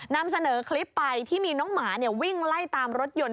นำเสนอคลิปไปที่มีน้องหมาวิ่งไล่ตามรถยนต์